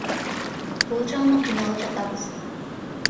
Бул жагынан кыйналып жатабыз.